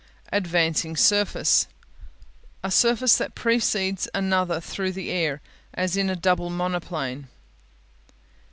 Advancing Surface A surface that precedes another through the air, as in a double monoplane.